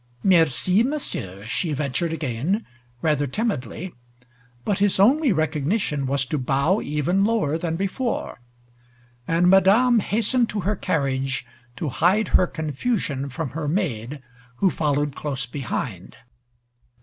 "Merci, Monsieur," she ventured again, rather timidly, but his only recognition was to bow even lower than before, and Madame hastened to her carriage to hide her confusion from her maid, who followed close behind.